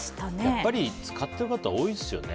やっぱり使ってる方多いですよね。